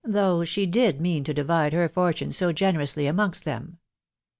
... .though she 4& mean to divide her fortune so generously amongst then.